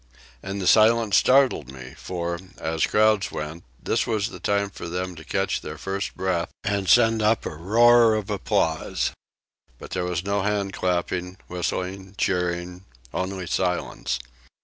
And the silence startled me, for, as crowds went, this was the time for them to catch their first breath and send up a roar of applause. But there was no hand clapping, whistling, cheering only silence.